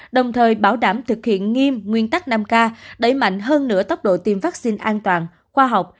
đồng thời bảo đảm thực hiện nghiêm nguyên tắc năm k đẩy mạnh hơn nữa tốc độ tiêm vaccine an toàn khoa học